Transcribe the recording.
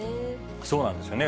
そうなんですよね。